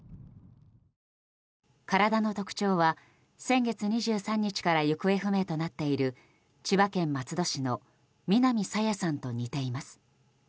体の特徴は、先月２３日から行方不明となっている千葉県松戸市の南朝芽さんと似ています。